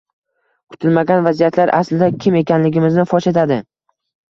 kutilmagan vaziyatlar aslida kim ekanligimizni fosh etadi.